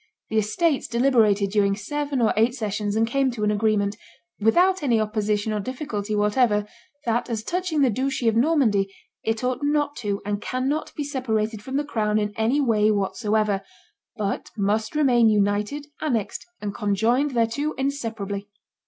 The estates deliberated during seven or eight sessions, and came to an agreement "without any opposition or difficulty whatever, that as touching the duchy of Normandy it ought not to and cannot be separated from the crown in any way whatsoever, but must remain united, annexed, and conjoined thereto inseparably.